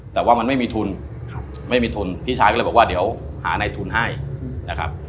แต่ว่ามันไม่มีทุนไม่มีทุนพี่ชายก็เลยบอกว่าเดี๋ยวหาในทุนให้นะครับ